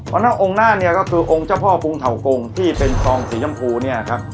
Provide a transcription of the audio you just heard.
เพราะฉะนั้นองค์หน้าเนี่ยก็คือองค์เจ้าพ่อกรุงเถากงที่เป็นคลองสีชมพูเนี่ยครับ